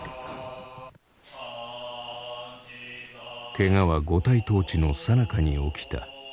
けがは五体投地のさなかに起きた。